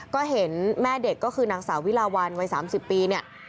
ก็เห็นแม่เด็กก็คือนางสาววิลาวันวัย๓๐ปีเนี่ย